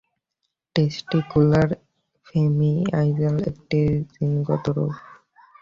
Testicular feminisation একটি জিনগত রোগ।